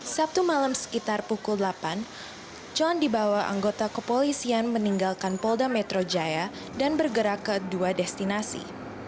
sabtu malam sekitar pukul delapan john dibawa anggota kepolisian meninggalkan polda metro jaya dan bergerak ke dua destinasi